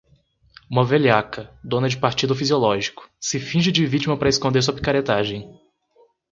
Uma velhaca, dona de partido fisiológico, se finge de vítima para esconder sua picaretagem